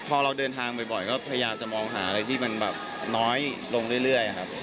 พอเราเดินทางบ่อยก็พยายามจะมองหาอะไรที่มันแบบน้อยลงเรื่อยครับ